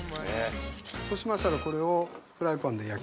そうしましたらこれをフライパンで焼きます。